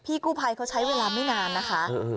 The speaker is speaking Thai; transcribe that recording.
กู้ภัยเขาใช้เวลาไม่นานนะคะ